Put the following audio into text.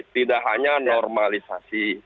tidak hanya normalisasi